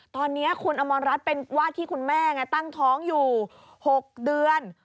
ตอนนี้คุณอมรรัฐเป็นวาดที่คุณแม่ไงตั้งท้องอยู่๖เดือน